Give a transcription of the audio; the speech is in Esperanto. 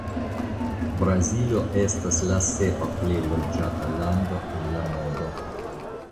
Brazilo estas la sepa plej loĝata lando en la mondo.